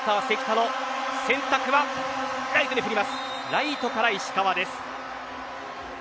ライトから石川です。